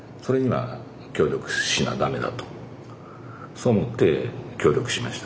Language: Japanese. そう思って協力しました